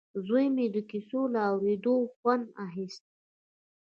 زوی مې د کیسو له اورېدو خوند اخیست